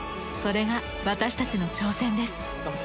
それが私たちの挑戦です。